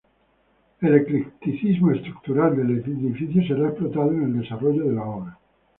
El eclecticismo estructural del edificio será explotado en el desarrollo de la obra.